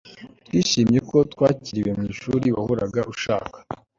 twishimiye ko twakiriwe mwishuri wahoraga ushaka